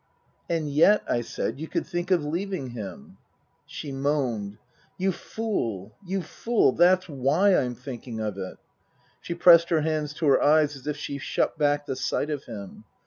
" And yet," I said, " you could think of leaving him ?" She moaned. " You fool you fool that's why I'm thinking of it." She pressed her hands to her eyes as if she shut back the sight of him.